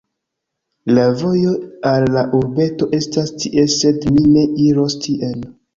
La vojo al la urbeto estas tie sed mi ne iros tien